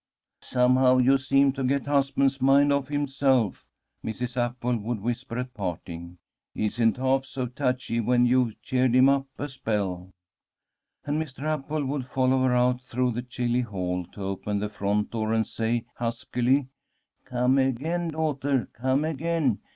"Somehow you seem to get husband's mind off himself," Mrs. Apwall would whisper at parting. "He isn't half so touchy when you've cheered him up a spell." And Mr. Apwall would follow her out through the chilly hall to open the front door, and say, huskily: "Come again, daughter. Come again.